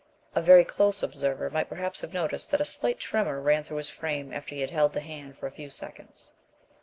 A very close observer might perhaps have noticed that a slight tremor ran through his frame after he had held the hand for a few seconds.